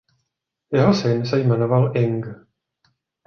Jeho syn se jmenoval ing.